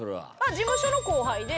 事務所の後輩で。